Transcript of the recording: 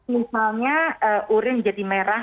misalnya urin menjadi merah